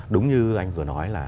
đúng như anh vừa nói là